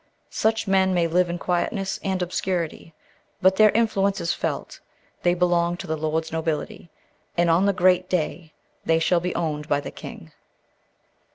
Such men may live in quietness and obscurity, but their influence is felt; they belong to the Lord's nobility, and on the great day they shall be owned by the King.